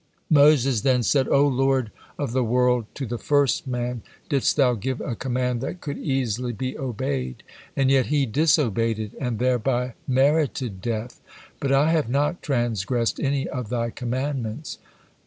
'" Moses then said, "O Lord of the world! To the first man didst Thou give a command that could easily be obeyed, and yet he disobeyed it, and thereby merited death; but I have not transgressed any of Thy commandments."